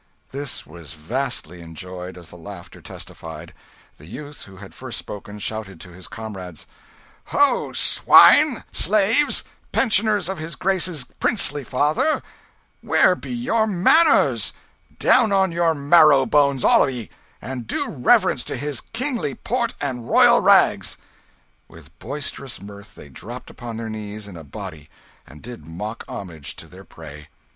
This was vastly enjoyed, as the laughter testified. The youth who had first spoken, shouted to his comrades "Ho, swine, slaves, pensioners of his grace's princely father, where be your manners? Down on your marrow bones, all of ye, and do reverence to his kingly port and royal rags!" With boisterous mirth they dropped upon their knees in a body and did mock homage to their prey.